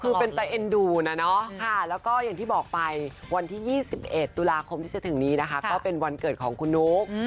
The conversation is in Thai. คือเป็นแต่เอ็นดูนะเนาะแล้วก็อย่างที่บอกไปวันที่๒๑ตุลาคมที่จะถึงนี้นะคะก็เป็นวันเกิดของคุณนุ๊ก